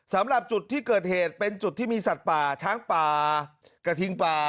สำหรับจุดที่เกิดเหตุเป็นจุดที่มีสัตว์ป่าช้างป่ากระทิงป่า